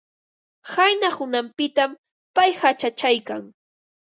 Qayna hunanpitam payqa achachaykan.